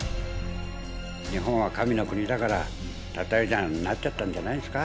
日本は神の国だから、たたりだとなっちゃったんじゃないですか。